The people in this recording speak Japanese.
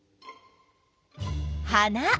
花。